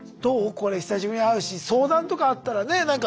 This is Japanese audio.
これ久しぶりに会うし相談とかあったらねなんか。